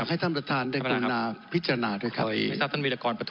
อยากให้ท่านประธานได้คุณาพิจารณาด้วยครับท่านประธานวิทยากรประธาน